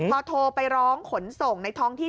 พอโทรไปร้องขนส่งในท้องที่